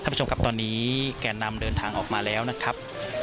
ผู้ชมครับตอนนี้แก่นำเดินทางออกมาแล้วนะครับ